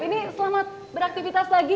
ini selamat beraktivitas lagi